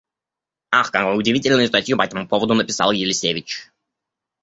Ах, какую удивительную статью по этому поводу написал Елисевич!